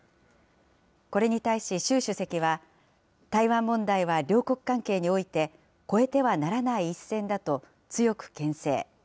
これに対し習主席は、台湾問題は両国関係において越えてはならない一線だと、強くけん制。